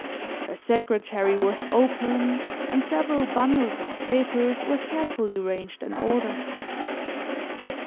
Her secretary was open and several bundles of papers were carefully ranged in order.